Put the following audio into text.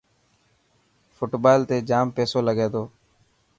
فٽبال تي جام پيسو لگي تو.